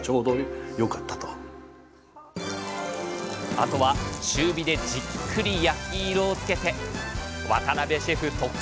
あとは中火でじっくり焼き色をつけて渡邊シェフ特製ハンバーグ！